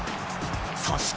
そして。